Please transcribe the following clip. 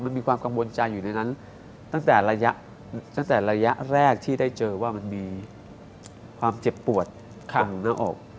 มันมีความกังวลใจอยู่ในนั้นตั้งแต่ระยะตั้งแต่ระยะแรกที่ได้เจอว่ามันมีความเจ็บปวดตรงหน้าอก